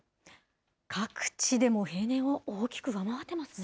各地でもう平年を大きく上回っていますね。